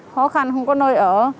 khó khăn không có nơi ở